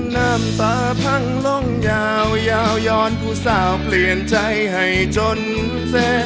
น้ำตาพังล่องยาวยาวย้อนผู้สาวเปลี่ยนใจให้จนแซะ